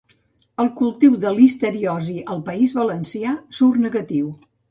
El cultiu de listeriosi al País Valencià surt negatiu